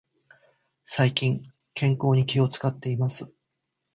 最近、健康に気を使っています。